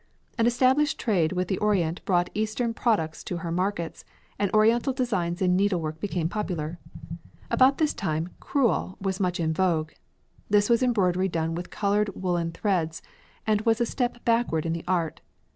An established trade with the Orient brought Eastern products to her markets, and oriental designs in needlework became popular. About this time "crewel" was much in vogue. This was embroidery done with coloured woollen threads and was a step backward in the art.